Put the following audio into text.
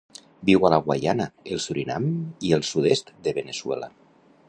Viu a la Guyana, el Surinam i el sud-est de Veneçuela.